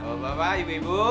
oh bapak ibu ibu